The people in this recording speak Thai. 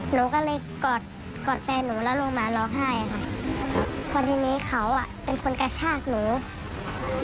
หนูก็เลยกอดแฟนหนูแล้วลงมาร้องไห้พอทีนี้เขาเป็นคนกระชากหนู